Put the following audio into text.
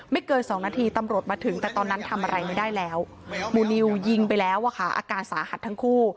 เกิน๒นาทีตำรวจมาถึงแต่ตอนนั้นทำอะไรไม่ได้แล้วหมู่นิวยิงไปแล้วอะค่ะอาการสาหัสทั้งคู่